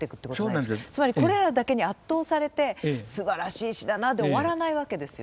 つまりこれらだけに圧倒されて「すばらしい詩だなあ」で終わらないわけですよね。